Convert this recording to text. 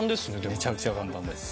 めちゃくちゃ簡単です。